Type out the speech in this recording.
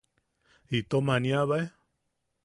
¿Itom aniabae?